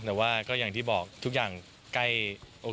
แต่ว่าก็อย่างที่บอกทุกอย่างใกล้โอเค